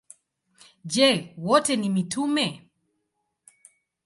Je, wote ni mitume?